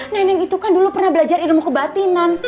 neneng itu kan dulu pernah belajar ilmu kebatinan